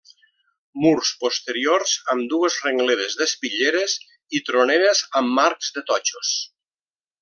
Murs posteriors amb dues rengleres d'espitlleres i troneres amb marcs de totxos.